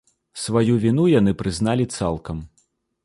Сваю віну яны прызналі цалкам.